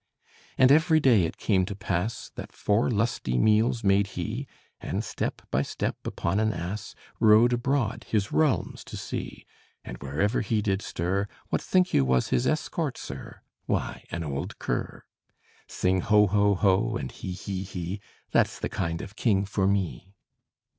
And every day it came to pass, That four lusty meals made he; And step by step, upon an ass, Rode abroad, his realms to see; And wherever he did stir, What think you was his escort, sir? Why, an old cur. Sing ho, ho, ho! and he, he, he! That's the kind of king for me.